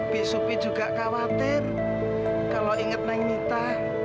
bisupi juga khawatir kalau inget neng mita